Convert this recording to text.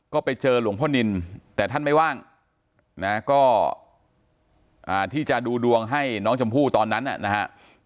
ก็ไปเจอหลวงพ่อนินแต่ท่านไม่ว่างนะก็ที่จะดูดวงให้น้องชมพู่ตอนนั้นนะฮะ